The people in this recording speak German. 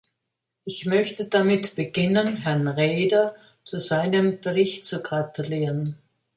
Ich möchte damit beginnen, Herrn Rehder zu seinem Bericht zu gratulieren.